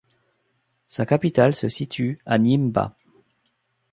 Sa capitale se situe à Nyimba.